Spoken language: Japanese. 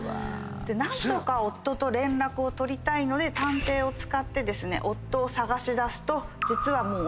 何とか夫と連絡を取りたいので探偵を使って夫を捜し出すと実はもう。